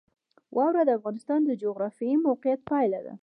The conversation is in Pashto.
واوره د افغانستان د جغرافیایي موقیعت پایله ده.